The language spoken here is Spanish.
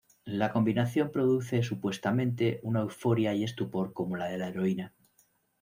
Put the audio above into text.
La combinación produce supuestamente una euforia y estupor como la de la heroína.